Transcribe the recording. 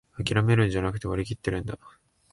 あきらめるんじゃなく、割りきってるんだ